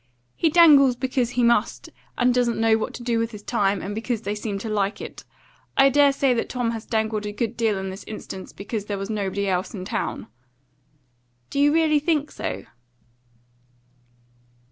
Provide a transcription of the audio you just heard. He dangles because he must, and doesn't know what to do with his time, and because they seem to like it. I dare say that Tom has dangled a good deal in this instance because there was nobody else in town." "Do you really think so?"